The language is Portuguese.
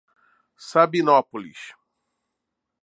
Sabinópolis